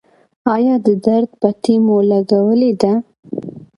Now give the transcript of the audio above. ایا د درد پټۍ مو لګولې ده؟